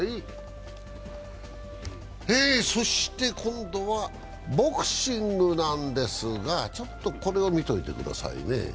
そして今度はボクシングなんですが、ちょっとこれを見といてくださいね。